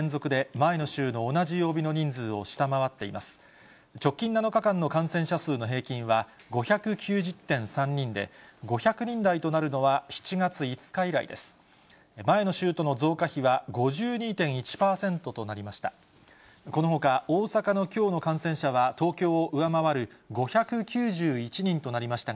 前の週との増加比は５２．１％となりました。